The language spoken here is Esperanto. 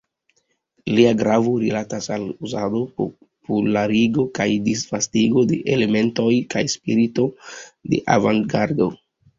Lia gravo rilatas al uzado, popularigo kaj disvastigo de elementoj kaj spirito de avangardo.